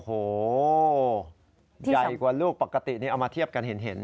โอ้โหใหญ่กว่าลูกปกตินี่เอามาเทียบกันเห็น